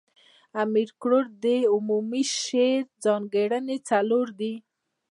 د امیر کروړ د شعر عمومي ځانګړني، څلور دي.